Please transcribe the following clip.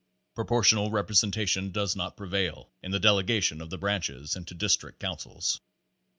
Proportional representation does not prevail in the delegations of the branches and to district councils.